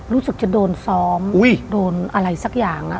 รู้สึกจะโดนซ้อมอุ้ยโดนอะไรสักอย่าง